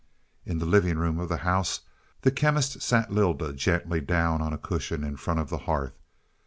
In the living room of the house, the Chemist sat Lylda gently down on a cushion in front of the hearth.